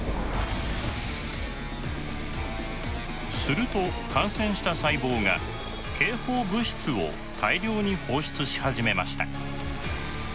すると感染した細胞が警報物質を大量に放出し始めました。